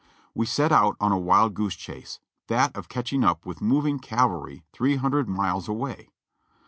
We set out on a wild goose chase, that of catching up with moving cavalry three hundred miles away.